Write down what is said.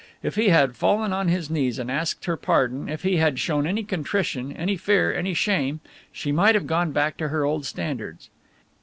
If he had fallen on his knees and asked her pardon, if he had shown any contrition, any fear, any shame, she might have gone back to her old standards.